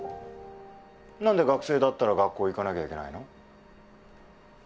何で学生だったら学校行かなきゃいけないの？